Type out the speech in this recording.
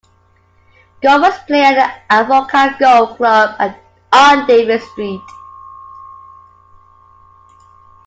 Golfers play at the Avoca Golf Club on Davey Street.